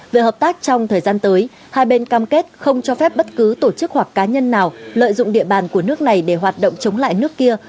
về hợp tác trong thời gian tới hai bên cam kết không cho phép bất cứ tổ chức hoặc cá nhân nào lợi dụng địa bàn của nước này để hoạt động chống lại nước kia